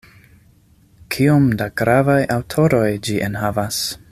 Kiom da gravaj aŭtoroj ĝi enhavas!